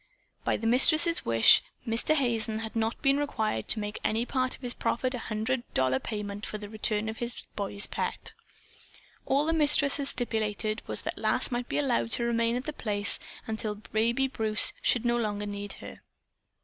By the Mistress's wish, Mr. Hazen had not been required to make any part of his proffered hundred dollar payment for the return of his boy's pet. All the Mistress had stipulated was that Lass might be allowed to remain at The Place until baby Bruce should no longer need her.